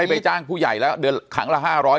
ไปจ้างผู้ใหญ่แล้วเดือนครั้งละ๕๐๐